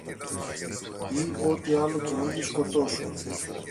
ή ό,τι άλλο κυνήγι σκοτώσω